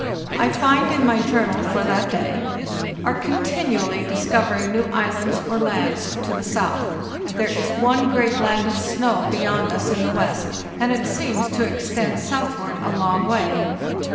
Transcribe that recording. I find in my journal for that day: "Are continually discovering new islands or lands to the south. There is one great land of snow beyond us in the west, and it seems to extend southward a long way."